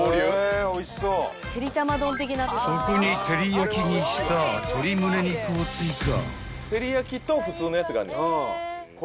［そこにてりやきにした鶏ムネ肉を追加］